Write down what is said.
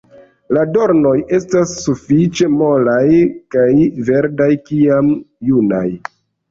La dornoj estas sufiĉe molaj kaj verdaj kiam junaj.